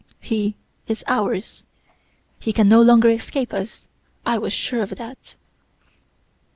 He is ours! He can no longer escape us! I was sure of that.